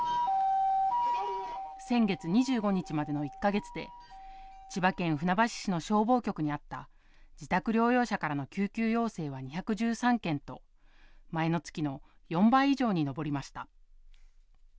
先月２５日までの１か月で千葉県船橋市の消防局にあった自宅療養者からの救急要請は２１３件と、前の月の４倍以上に上りました。